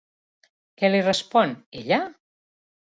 Què li respon, ella?